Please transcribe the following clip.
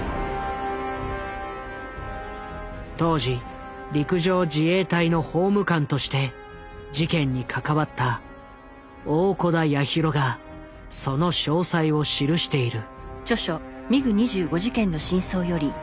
当時陸上自衛隊の法務官として事件に関わった大小田八尋がその詳細を記している。